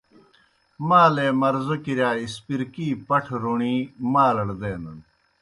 مالے مرضو کِرِیا اسپرکی پٹھہ روݨی مالڑ دینَن۔